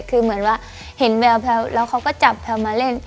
คือเหมือนว่าเห็นแววแล้วเขาก็จับแพลวมาเล่น